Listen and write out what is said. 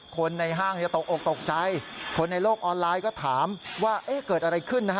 คนในห้างตกอกตกใจคนในโลกออนไลน์ก็ถามว่าเกิดอะไรขึ้นนะฮะ